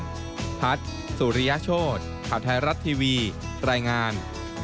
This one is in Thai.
มาร์ทสุริยโชธข่าวไทยรัตน์ทีวีรายงาน